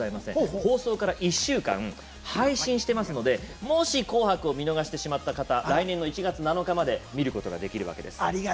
放送から１週間配信していますのでもし「紅白」を見逃してしまった人も来年１月７日まで見ることができるわけです。